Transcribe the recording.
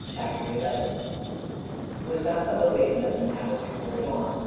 • CHAPTER XI Mustafa awakened us an hour before dawn.